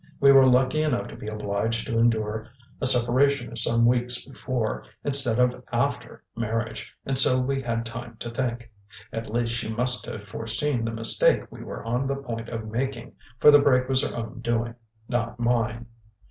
We were lucky enough to be obliged to endure a separation of some weeks before, instead of after, marriage; and so we had time to think. At least, she must have foreseen the mistake we were on the point of making, for the break was her own doing not mine."